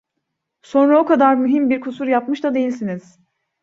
Sonra o kadar mühim bir kusur yapmış da değilsiniz.